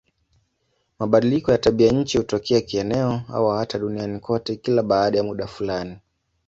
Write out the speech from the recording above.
Mabadiliko ya tabianchi hutokea kieneo au hata duniani kote kila baada ya muda fulani.